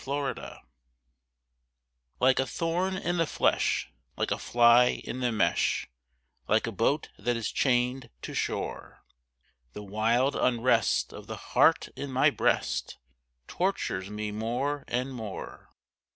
DISCONTENT Like a thorn in the flesh, like a fly in the mesh, Like a boat that is chained to shore, The wild unrest of the heart in my breast Tortures me more and more.